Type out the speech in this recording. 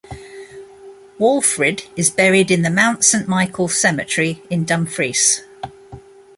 Walfrid is buried in the Mount Saint Michael Cemetery in Dumfries.